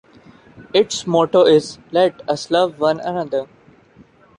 Its motto is "Let Us Love One Another".